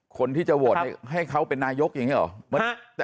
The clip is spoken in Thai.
คนที่จะโหวตให้เขาเป็นนายกอย่างนี้เหรอ